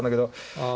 ああ。